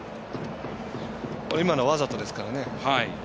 今のはわざとですからね。